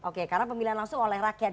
oke karena pemilihan langsung oleh rakyat